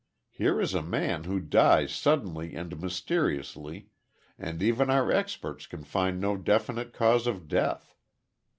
Here is a man who dies suddenly and mysteriously, and even our experts can find no definite cause of death.